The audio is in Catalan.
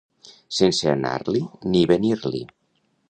Sense anar-l'hi ni venir-l'hi.